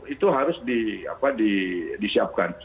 itu harus disiapkan